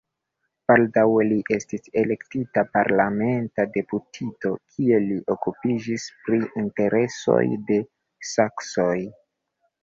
Baldaŭe li estis elektita parlamenta deputito, kie li okupiĝis pri interesoj de saksoj.